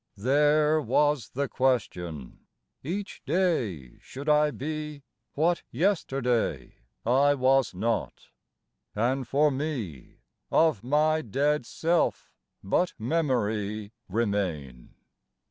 There was the question : each day should I be What yesterday I was not, and for me Of my dead self but memory remain